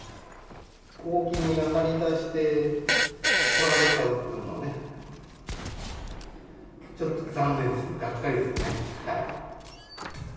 大きい実がなりだして、とられちゃうっていうのはね、ちょっと残念ですよね、がっかりですよね。